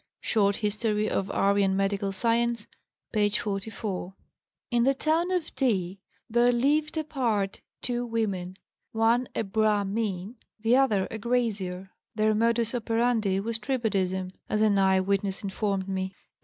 Short History of Aryan Medical Science, p. 44.) "In the town of D. there 'lived apart' two women, one a Brahmin, the other a grazier; their modus operandi was tribadism, as an eyewitness informed me.